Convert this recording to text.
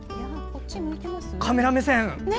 カメラ目線！